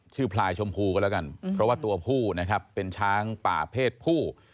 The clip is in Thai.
พลายชมพูก็แล้วกันเพราะว่าตัวผู้นะครับเป็นช้างป่าเพศผู้